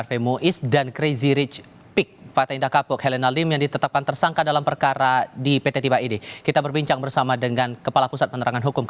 tim liputan kompas timah